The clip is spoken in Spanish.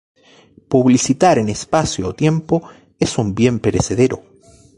Publicitar en espacio o tiempo es un bien perecedero.